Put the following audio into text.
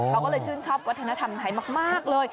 เขาก็เลยชื่นชอบวัฒนธรรมไทยมากเลย